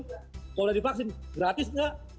kalau udah divaksin gratis nggak